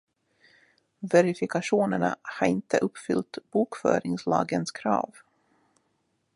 Verifikationerna har inte uppfyllt bokföringslagens krav.